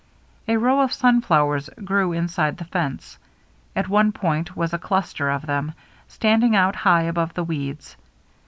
A row of sunflowers grew inside the fence. At one point was a cluster of them, standing out high above the weeds.